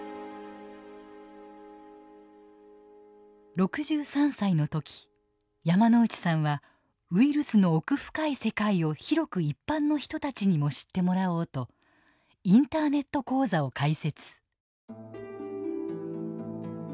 ６３歳の時山内さんはウイルスの奥深い世界を広く一般の人たちにも知ってもらおうとインターネット講座を開設。